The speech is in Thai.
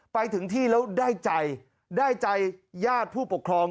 ไปถึงที่แล้วได้ใจได้ใจญาติผู้ปกครอง